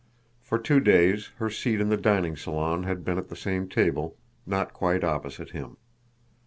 For two days her seat in the dining salon had been at the same table, not quite opposite him.